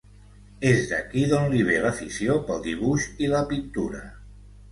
És d'aquí d'on li ve l'afició pel dibuix i la pintura.